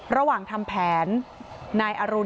ระหว่างทำแผน